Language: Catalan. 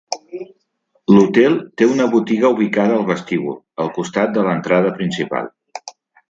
L'hotel té una botiga ubicada al vestíbul, al costat de l'entrada principal.